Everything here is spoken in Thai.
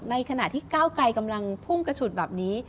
ในขณะที่ก้าวไกลกำลังพุ่งกระฉุดแบบนี้